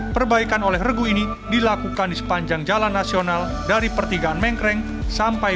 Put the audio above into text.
perbaikan oleh regu ini dilakukan di sepanjang jalan nasional dari pertigaan mengkring sampai